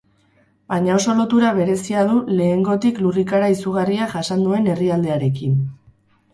Baina oso lotura berezia du lehenagotik lurrikara izugarria jasan duen herrialdearekin.